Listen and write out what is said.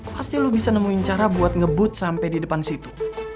pasti lo bisa nemuin cara buat ngebut sampai di depan situ